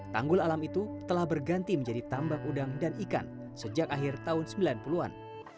tanggul alam itu telah berganti menjadi tambak udang dan ikan sejak akhir tahun sembilan puluh an